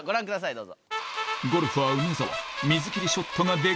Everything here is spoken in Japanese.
どうぞ。